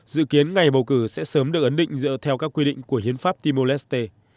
dự kiến ngày bầu cử sẽ sớm được ấn định dựa theo các quy định của hiến pháp timor leste